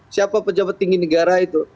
siapa pejabat tinggi negara itu